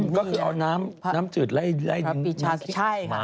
ก็คือเอาน้ำจืดไล่นิดนึงมา